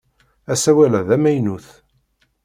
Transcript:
Asawal-a d amaynut!